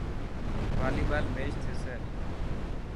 والي بال ميچ ٿيسي.